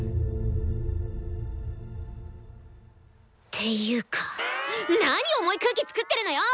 ていうかなに重い空気作ってるのよ！